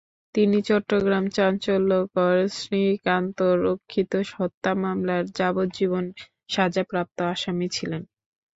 তিনি চট্টগ্রামে চাঞ্চল্যকর শ্রীকান্ত রক্ষিত হত্যা মামলার যাবজ্জীবন সাজাপ্রাপ্ত আসামি ছিলেন।